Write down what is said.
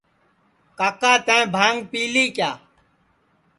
کاکا تیں بھانٚگ پیلی کیا